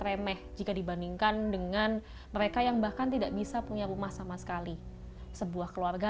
remeh jika dibandingkan dengan mereka yang bahkan tidak bisa punya rumah sama sekali sebuah keluarga